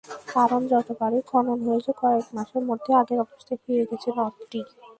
কারণ, যতবারই খনন হয়েছে, কয়েক মাসের মধ্যে আগের অবস্থায় ফিরে গেছে নদটি।